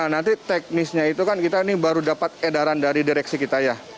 nanti teknisnya itu kan kita ini baru dapat edaran dari direksi kita ya